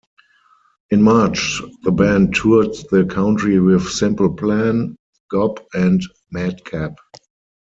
In March the band toured the country with Simple Plan, Gob and Madcap.